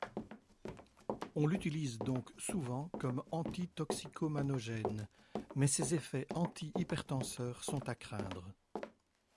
On l'utilise donc souvent comme antitoxicomanogène mais ses effets antihypertenseurs sont à craindre.